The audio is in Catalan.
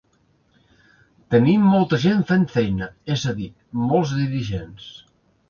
Tenim molta gent fent feina, és a dir, molts dirigents.